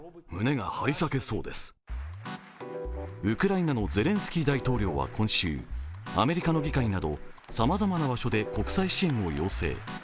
ウクライナのゼレンスキー大統領は今週、アメリカの議会など、さまざまな場所で国際支援を要請。